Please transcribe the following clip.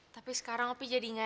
tapi sekarang opi jadi panggilan